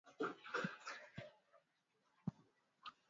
matumizi ya viazi lishe ni zaidi ya kuchemsha tu